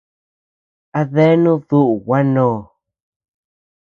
¿A denud duʼu gua ndo?